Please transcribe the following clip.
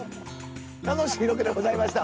楽しいロケでございました。